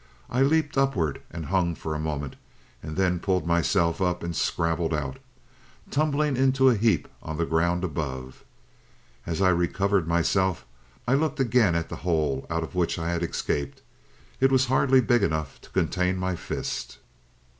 I leaped upward and hung for a moment, then pulled myself up and scrabbled out, tumbling in a heap on the ground above. As I recovered myself, I looked again at the hole out of which I had escaped; it was hardly big enough to contain my fist.